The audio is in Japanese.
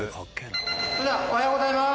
それではおはようございます。